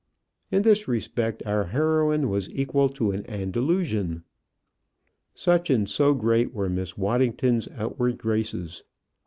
In this respect our heroine was equal to an Andalusian. Such and so great were Miss Waddington's outward graces.